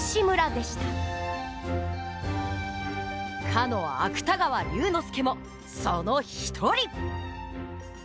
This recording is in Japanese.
かの芥川龍之介もその一人。